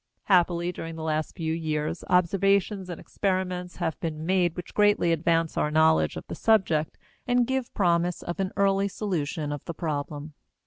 Happily, during the last few years, observations and experiments have been made which greatly advance our knowledge of the subject and give promise of an early solution of the problem.